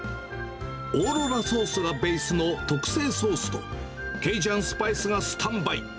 オーロラソースがベースの特製ソースと、ケイジャンスパイスがスタンバイ。